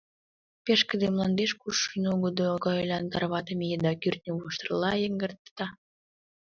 Пешкыде мландеш кушшо нугыдо гаолян тарватыме еда кӱртньӧ воштырла йыҥгыртата.